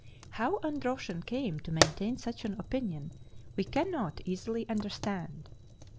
How Androtion came to maintain such an opinion we cannot easily understand.